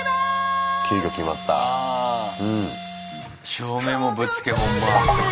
照明もぶっつけ本番。